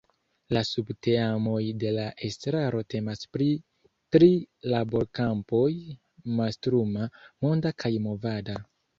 La subteamoj de la estraro temas pri tri laborkampoj, mastruma, monda kaj movada.